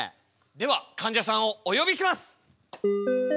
ではかんじゃさんをおよびします。